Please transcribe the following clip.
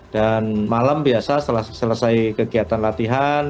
dan malam biasa setelah selesai kegiatan latihan